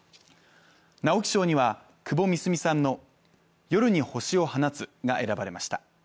直木賞には、窪美澄さんの「夜に星を放つ」が選ばれました。